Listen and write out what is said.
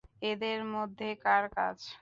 এদের মধ্যে কার কাজ?